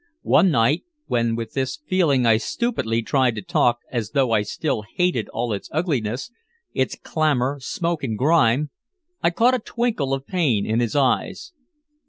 One night, when with this feeling I stupidly tried to talk as though I still hated all its ugliness, its clamor, smoke and grime, I caught a twinkle of pain in his eyes.